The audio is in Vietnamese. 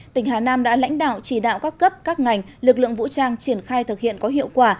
tỉnh hà nam đã lãnh đạo chỉ đạo các cấp các ngành lực lượng vũ trang triển khai thực hiện có hiệu quả